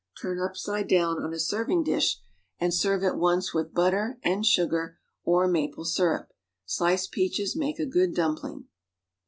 Turn upside down on a serving dish and serve at once with butter and sugar or ma|)h syrup. Sliced peaches make a good dumpling.